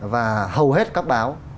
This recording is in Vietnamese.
và hầu hết các báo